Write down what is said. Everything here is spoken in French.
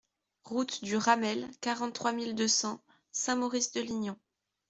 Route du Ramel, quarante-trois mille deux cents Saint-Maurice-de-Lignon